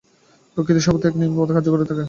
প্রকৃতি সর্বত্র এক নিয়মে কার্য করিয়া থাকে।